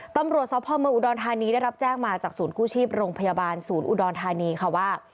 ตำรวจสพเมืองอุดรธานีได้รับแจ้งมาจากศูนย์กู้ชีพโรงพยาบาลศูนย์อุดรธานีค่ะว่า